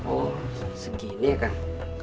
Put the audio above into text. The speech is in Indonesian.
oh segini ya kang